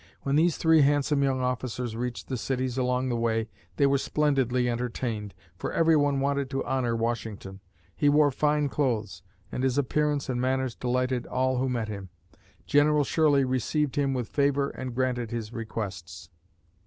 When these three handsome young officers reached the cities along the way, they were splendidly entertained, for every one wanted to honor Washington. He wore fine clothes and his appearance and manners delighted all who met him. General Shirley received him with favor and granted his requests.